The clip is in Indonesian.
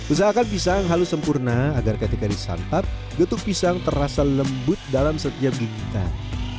usahakan pisang halus sempurna agar ketika disantap getuk pisang terasa lembut dalam setiap gigitan